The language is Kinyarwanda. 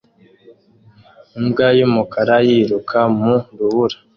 Imbwa yumukara yiruka mu rubura